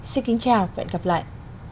xin kính chào và hẹn gặp lại